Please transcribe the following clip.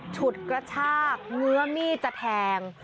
ฉุดกระชากเงื้อมีดจะแทง